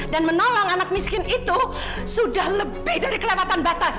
dan menolong anak miskin itu sudah lebih dari kelewatan batas